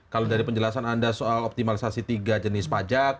kalau dari penjelasan anda soal optimalisasi tiga jenis pajak